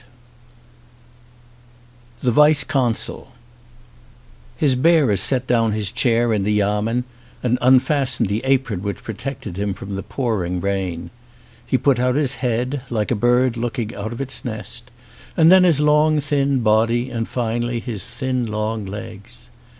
LVI THE VICE CONSUL HIS bearers set down his chair in the yamen and unfastened the apron which protected him from the pouring rain. He put out his head, like a bird looking out of its nest, and then his long thin body and finally his thin long legs.